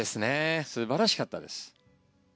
素晴らしかったです。